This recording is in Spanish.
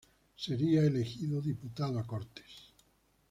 Sería elegido diputado a Cortes.